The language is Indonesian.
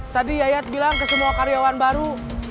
tadi yayat bilang ke semua karyawan baru